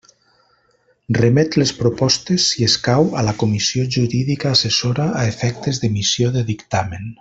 Remet les propostes, si escau, a la Comissió Jurídica Assessora a efectes d'emissió de dictamen.